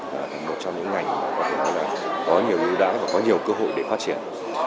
là một trong những ngành có nhiều ưu đãi và có nhiều cơ hội để phát triển